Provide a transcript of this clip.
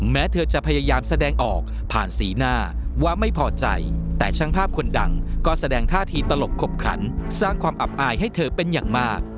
แม้เธอจะพยายามแสดงออกผ่านสีหน้าว่าไม่พอใจแต่ช่างภาพคนดังก็แสดงท่าทีตลกขบขันสร้างความอับอายให้เธอเป็นอย่างมาก